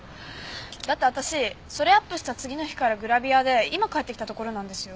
だって私それアップした次の日からグラビアで今帰ってきたところなんですよ。